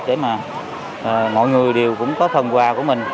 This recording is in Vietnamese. để mà mọi người đều cũng có phần quà của mình